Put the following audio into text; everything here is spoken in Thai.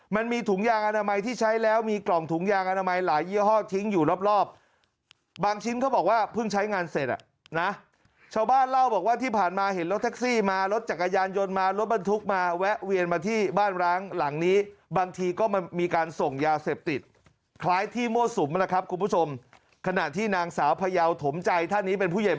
มันมีถุงยางอนามัยที่ใช้แล้วมีกล่องถุงยางอนามัยหลายยี่ห้อทิ้งอยู่รอบรอบบางชิ้นเขาบอกว่าเพิ่งใช้งานเสร็จอ่ะนะชาวบ้านเล่าบอกว่าที่ผ่านมาเห็นรถแท็กซี่มารถจักรยานยนต์มารถบรรทุกมาแวะเวียนมาที่บ้านร้างหลังนี้บางทีก็มันมีการส่งยาเสพติดคล้ายที่มั่วสุมนะครับคุณผู้ชมขณะที่นางสาวพยาวถมใจท่านนี้เป็นผู้ใหญ่